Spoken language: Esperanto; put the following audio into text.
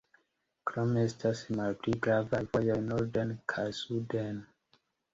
Krome estas malpli gravaj vojoj norden kaj suden.